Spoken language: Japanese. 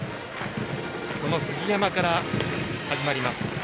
その杉山から始まります